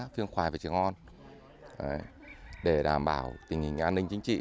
phương khoai và chiếng on để đảm bảo tình hình an ninh chính trị